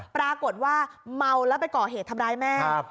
ปรากฏว่าเมาแล้วไปก่อเหตุทำร้ายแม่